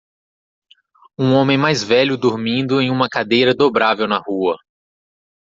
Um homem mais velho dormindo em uma cadeira dobrável na rua.